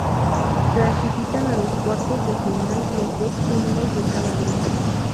Clasifican a los cuartos de final, los dos primeros de cada grupo.